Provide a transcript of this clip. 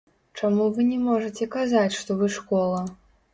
Чаму вы не можаце казаць, што вы школа?